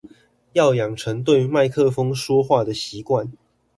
要養成對麥克風說話的習慣